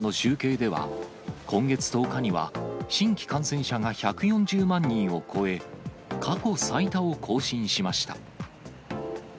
ＣＤＣ・疾病対策センターの集計では、今月１０日には新規感染者が１４０万人を超え、過去最多を更新しました。